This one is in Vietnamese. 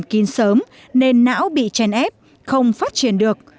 nó bị kín sớm nên não bị chèn ép không phát triển được